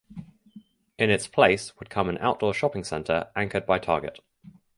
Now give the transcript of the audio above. In its place would come an outdoor shopping center anchored by Target.